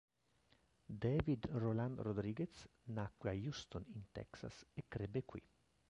David Roland Rodriguez nacque a Houston, in Texas, e crebbe qui.